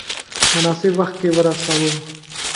مناسب وخت کې ورساوه.